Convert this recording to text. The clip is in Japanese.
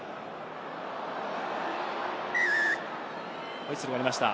ホイッスルがありました。